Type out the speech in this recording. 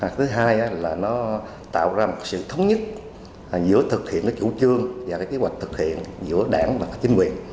thứ hai là nó tạo ra một sự thống nhất giữa thực hiện chủ trương và kế hoạch thực hiện giữa đảng và chính quyền